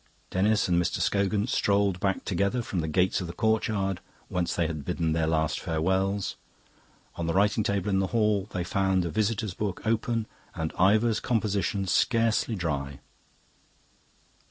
Denis and Mr. Scogan strolled back together from the gates of the courtyard, whence they had bidden their last farewells; on the writing table in the hall they found the visitor's book, open, and Ivor's composition scarcely dry.